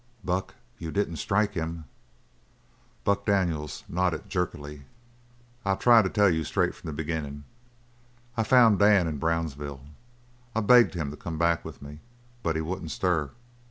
"Buck, you didn't strike him?" Buck Daniels nodded jerkily. "I'll try to tell you straight from the beginning. I found Dan in Brownsville. I begged him to come back with me, but he wouldn't stir.